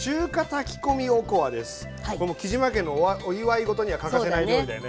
この杵島家のお祝いごとには欠かせない料理だよね。